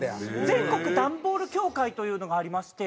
全国段ボール協会というのがありまして